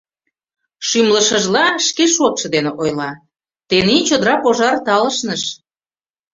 Шӱмлышыжла, шке шотшо дене ойла: «Тений чодыра пожар талышныш.